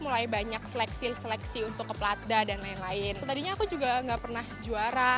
mulai banyak seleksi seleksi untuk ke platda dan lain lain tadinya aku juga nggak pernah juara